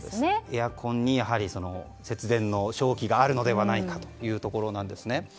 エアコンに節電の勝機があるのではないかというところです。